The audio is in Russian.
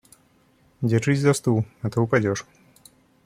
Держись за стул, а то упадешь.